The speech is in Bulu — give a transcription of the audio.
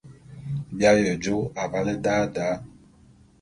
Bi aye jô avale da da.